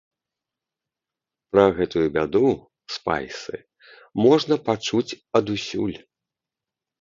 Пра гэтую бяду, спайсы, можна пачуць адусюль.